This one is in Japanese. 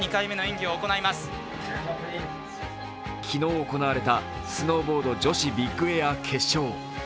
昨日、行われたスノーボード女子ビッグエア決勝。